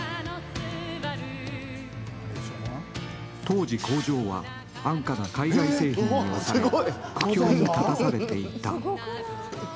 当時、工場は安価な海外製品に押され苦境に立たされていった。